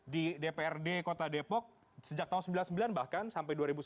di dprd kota depok sejak tahun seribu sembilan ratus sembilan puluh sembilan bahkan sampai dua ribu sembilan belas